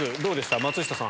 松下さん。